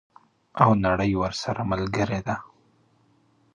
او نړۍ ورسره ملګرې ده.